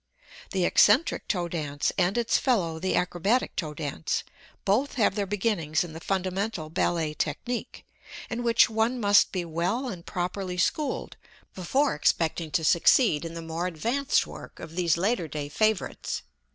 The eccentric toe dance and its fellow, the acrobatic toe dance, both have their beginnings in the fundamental ballet technique, in which one must be well and properly schooled before expecting to succeed in the more advanced work of these laterday favorites.